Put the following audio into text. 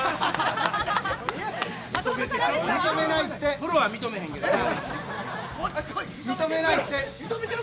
プロは認めへんけどな。